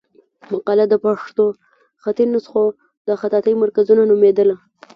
مقاله د پښتو خطي نسخو د خطاطۍ مرکزونه نومېدله.